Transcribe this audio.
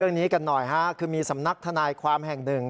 เรื่องนี้กันหน่อยฮะคือมีสำนักทนายความแห่งหนึ่ง